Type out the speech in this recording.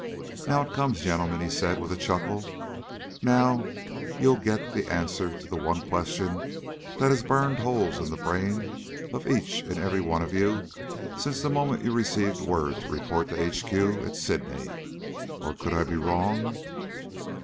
"Now it comes, Gentlemen," he said with a chuckle. "Now you'll get the answer to the one question that has burned holes in the brain of each and every one of you since the moment you received word to report to H.Q. at Sydney. Or could I be wrong?"